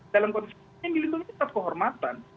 dalam konteks ini yang dilindungi tetap kehormatan